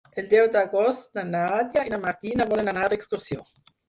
El deu d'agost na Nàdia i na Martina volen anar d'excursió.